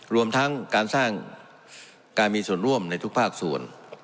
รวมทั้งการสร้างการมีส่วนร่วมในทุกภาคส่วน